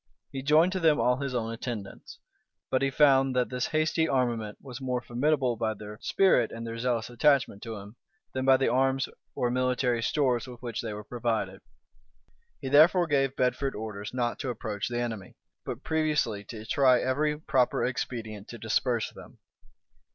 He joined to them all his own attendants; but he found that this hasty armament was more formidable by their spirit and their zealous attachment to him, than by the arms or military stores with which they were provided. He therefore gave Bedford orders not to approach the enemy; but previously to try every proper expedient to disperse them.